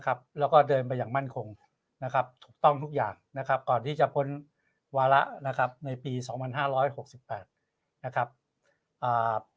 ครับแล้วก็เดินไปอย่างมั่นคงนะครับต้องทุกอย่างนะครับก่อนที่จะพ้นวาระนะครับในปี๒๕๖๘นะ